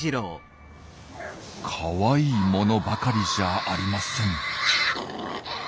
かわいいものばかりじゃありません。